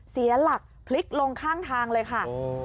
เสียหลักพลิกลงข้างทางเลยค่ะ